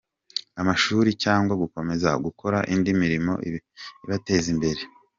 Amashuri cyangwa gukomeza gukora indi mirimo ibateza imbere.